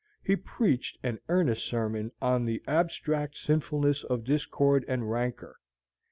He preached an earnest sermon on the abstract sinfulness of discord and rancor.